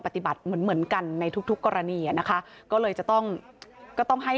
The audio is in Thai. ปฏิบัติเหมือนเหมือนกันในทุกทุกกรณีอ่ะนะคะก็เลยจะต้องก็ต้องให้